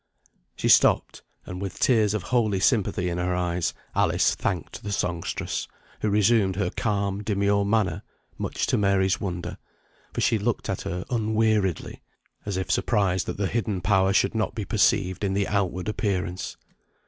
She stopped; and with tears of holy sympathy in her eyes, Alice thanked the songstress, who resumed her calm, demure manner, much to Mary's wonder, for she looked at her unweariedly, as if surprised that the hidden power should not be perceived in the outward appearance.